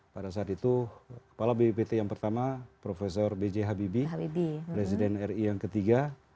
pada saat itu kepala bppt yang pertama prof b j habibie presiden ri yang ketiga